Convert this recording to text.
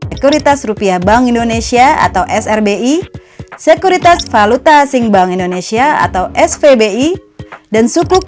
ekuritas rupiah bank indonesia atau srbi sekuritas valuta asing bank indonesia atau spbi dan sukuk